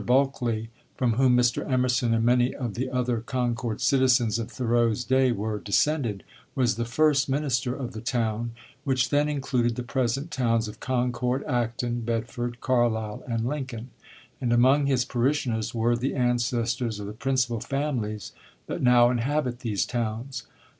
Bulkeley, from whom Mr. Emerson and many of the other Concord citizens of Thoreau's day were descended, was the first minister of the town, which then included the present towns of Concord, Acton, Bedford, Carlisle, and Lincoln; and among his parishioners were the ancestors of the principal families that now inhabit these towns.